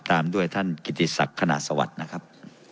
ตามด้วยท่านกิติศักดิ์ขณะสวัสดิ์นะครับ